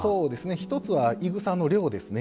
１つはい草の量ですね。